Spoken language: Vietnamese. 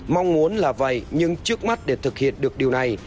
mong muốn là vậy nhưng trước mắt để thực hiện được điều này